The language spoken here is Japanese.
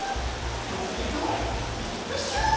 こうするとプシュ！